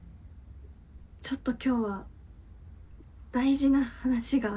ちょっと今日は大事な話があって。